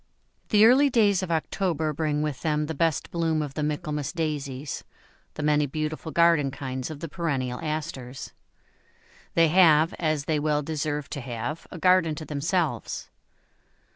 The early days of October bring with them the best bloom of the Michaelmas Daisies, the many beautiful garden kinds of the perennial Asters. They have, as they well deserve to have, a garden to themselves.